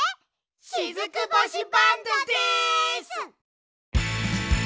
しずく星バンドです！